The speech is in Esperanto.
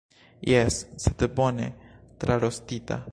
Jes, sed bone trarostita.